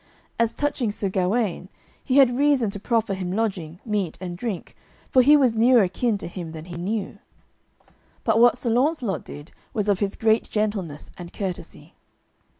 As touching Sir Gawaine, he had reason to proffer him lodging, meat, and drink, for he was nearer kin to him than he knew. But what Sir Launcelot did was of his great gentleness and courtesy.